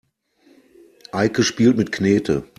Eike spielt mit Knete.